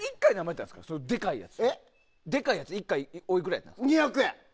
でかいやつは１回おいくらやったんですか？